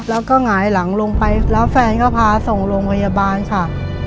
เหงาหลังลงไปแล้วแฟนก็พาส่งลงพยาบาลค่ะ